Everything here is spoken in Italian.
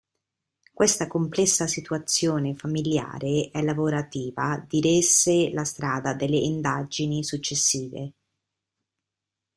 Questa complessa situazione familiare e lavorativa diresse la strada delle indagini successive.